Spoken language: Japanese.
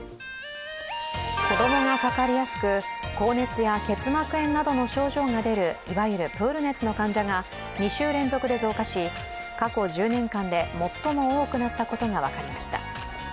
子供がかかりやすく、高熱や結膜炎などの症状が出るいわゆるプール熱の患者が２週連続で増加し、過去１０年間で最も多くなったことが分かりました。